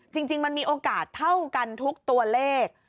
จริงมันมีโอกาสเท่ากันทุกตัวเลข